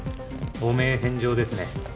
汚名返上ですね